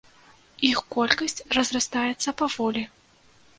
Іх колкасць разрастаецца паволі.